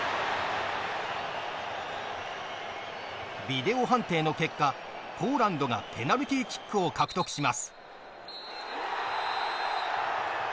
ビデオ判定の結果ポーランドがペナルティーキックを獲得します。